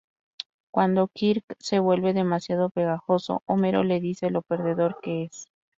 Cuando Kirk se vuelve demasiado pegajoso, Homero le dice lo perdedor que es.